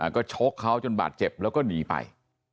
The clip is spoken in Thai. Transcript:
ก็ชกเขาจนบาดเจ็บแล้วก็หนีไป